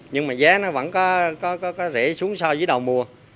nhưng mà giá nó vẫn có thể xuống so với đầu mùa